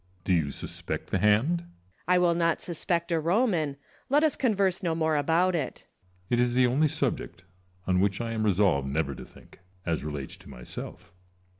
Do you suspect the hand ? Lucullus. I will not suspect a Roman : let us converse no more about it. Ccesar. It is the only subject on which I am resolved never to think, as relates to myself.